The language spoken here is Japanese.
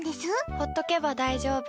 ほっとけば大丈夫。